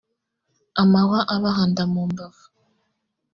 amahwa abahanda mu mbavu.